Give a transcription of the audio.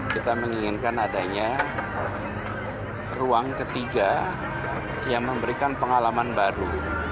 kita menginginkan adanya ruang ketiga yang memberikan pengalaman baru